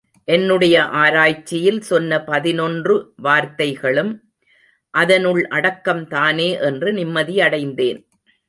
என்னுடைய ஆராய்ச்சியில் சொன்ன பதினொன்று வார்த்தைகளும் அதனுள் அடக்கம்தானே என்று நிம்மதியடைந்தேன்.